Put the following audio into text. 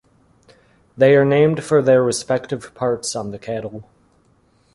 They are named for their respective parts on the cattle.